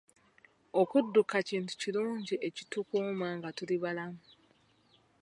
Okudduka kintu kirungi ekitukuuma nga tuli balamu.